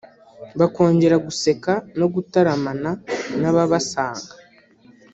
bakongera guseka no gutaramana n’ababasanga